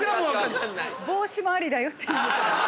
帽子もありだよっていう。